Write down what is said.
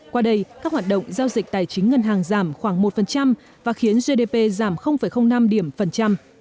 qua đây các hoạt động giao dịch tài chính ngân hàng giảm khoảng một và khiến gdp giảm năm điểm phần trăm